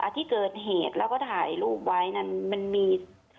ที่เกิดเหตุแล้วก็ถ่ายรูปไว้นั่นมันมี